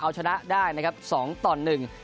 เอาชนะได้นะครับ๒ตอน๑